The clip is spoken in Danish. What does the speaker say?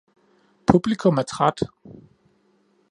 "Publikum er træt."